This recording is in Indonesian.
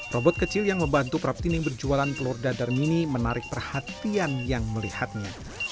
robot kecil yang membantu praptinim berjualan telur dadar mini menarik perhatian yang melihatnya